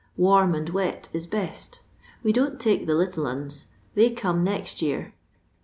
Warm and wet is best We don't take the little 'una. They come next year.